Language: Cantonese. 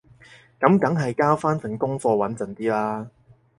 噉梗係交返份功課穩陣啲啦